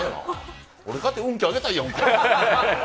俺かて運気上げたいやんか。